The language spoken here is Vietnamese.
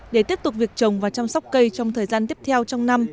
để tiếp tục việc trồng và chăm sóc cây trong thời gian tiếp theo trong năm